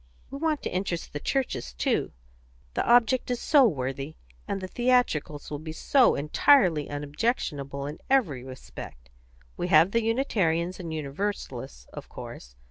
We want to interest the churches, too. The object is so worthy, and the theatricals will be so entirely unobjectionable in every respect. We have the Unitarians and Universalists, of course.